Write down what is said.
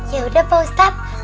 yaudah pak ustadz